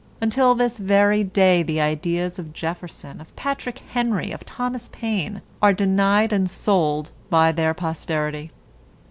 Until this very day the ideas of Jefferson, of Patrick Henry, of Thomas Paine, are denied and sold by their posterity.